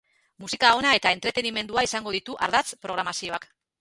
Musika ona eta entretenimendua izango ditu ardatz programazioak.